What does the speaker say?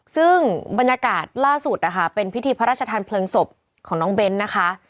ซึ่งบรรยากาศล่าสุดนะคะเป็นพิธีพระราชทานเพลิงศพของน้องเบ้นนะคะ